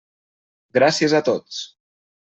Gràcies a tots.